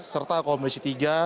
serta komisi tiga